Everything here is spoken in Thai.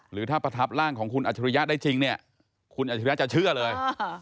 หรือถ้าประทับร่างของคุณอัจฉริยะได้จริงเนี่ยคุณอัจฉริยะจะเชื่อเลย